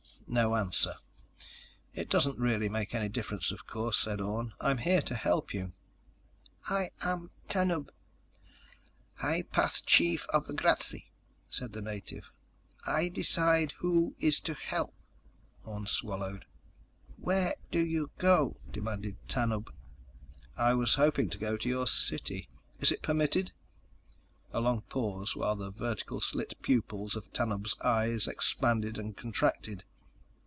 No answer. "It doesn't really make any difference, of course," said Orne. "I'm here to help you." "I am Tanub, High Path Chief of the Grazzi," said the native. "I decide who is to help." Orne swallowed. "Where do you go?" demanded Tanub. "I was hoping to go to your city. Is it permitted?" A long pause while the vertical slit pupils of Tanub's eyes expanded and contracted.